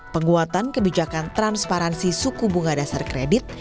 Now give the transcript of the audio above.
penguatan kebijakan transparansi suku bunga dasar kredit